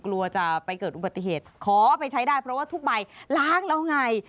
กลัวจะไปเกิดอุบัติเหตุขอไปใช้ได้เพราะว่าทุกใบล้างแล้วไง